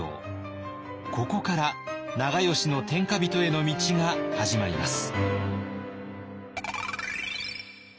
ここから長慶の天下人への道が始まります。